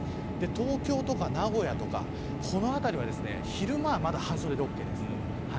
東京とか名古屋とかこのあたりは昼間はまだ半袖でＯＫです。